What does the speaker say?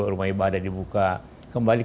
rumah ibadah dibuka kembali